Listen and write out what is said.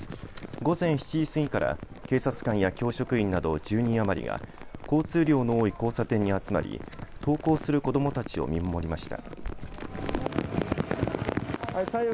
午前７時過ぎから警察官や教職員など１０人余りが交通量の多い交差点に集まり登校する子どもたちを見守りました。